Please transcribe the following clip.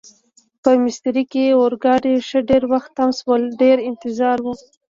په میسترې کې اورګاډي ښه ډېر وخت تم شول، ډېر انتظار و.